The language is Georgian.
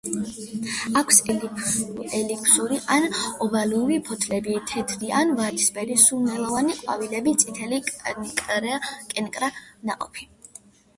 აქვს ელიფსური ან ოვალური ფოთლები, თეთრი ან ვარდისფერი სურნელოვანი ყვავილები, წითელი კენკრა ნაყოფი.